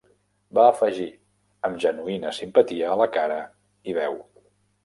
Va afegir, amb genuïna simpatia a la cara i veu.